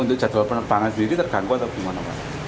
untuk jadwal penerbangan sendiri terganggu atau gimana mas